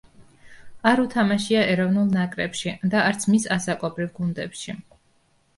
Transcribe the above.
არ უთამაშია ეროვნულ ნაკრებში და არც მის ასაკობრივ გუნდებში.